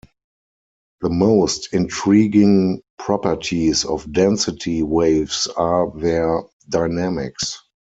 The most intriguing properties of density waves are their dynamics.